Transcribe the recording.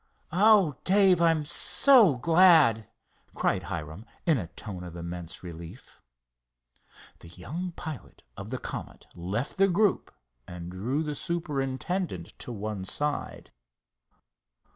"Oh, Dave, I'm so glad!" cried Hiram, in a tone of immense relief. The young pilot of the Comet left the group and drew the superintendent to one side.